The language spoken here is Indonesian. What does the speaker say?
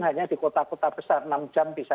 hanya di kota kota besar enam jam bisa